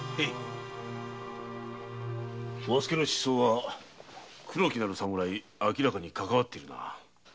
和助の失そうは黒木なる侍がかかわっているな。